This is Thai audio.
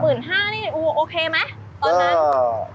๑๕๐๐๐บาทนี่โอเคไหมตอนนั้น